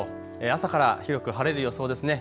朝から広く晴れる予想ですね。